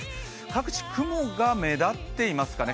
各地、雲が目立っていますかね。